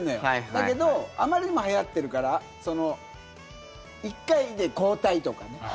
だけどあまりにもはやってるから１回で交代とかね。